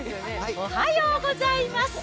おはようございます。